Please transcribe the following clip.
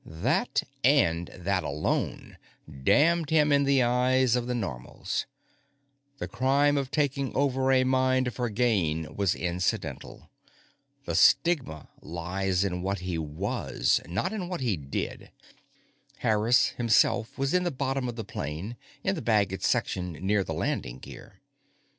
That, and that alone, damned him in the eyes of the Normals; the crime of taking over a mind for gain was incidental. The stigma lies in what he was, not what he did. Harris himself was in the bottom of the plane, in the baggage section near the landing gear.